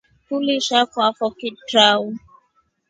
Tuliisha kwafo kitrau.